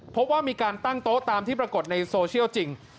พบว่ามีการตั้งโต๊ะตามที่ปรากฏในโซเชียลจริง